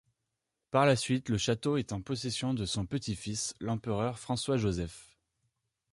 Par la suite, le château est en possession de son petit-fils, l'empereur François-Joseph.